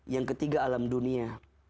yang ketiga alam dunia